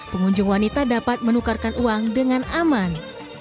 pengunjung wanita dapat menukarkan uang dengan aman